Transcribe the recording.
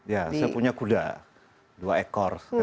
ya saya punya kuda dua ekor